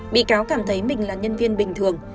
bị cáo cảm thấy mình là nhân viên bình thường